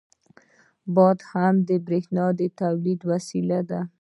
• باد هم د برېښنا د تولید وسیله ده.